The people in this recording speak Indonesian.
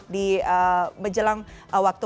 di menjelang waktu